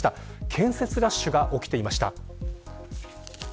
建設ラッシュが起きていました。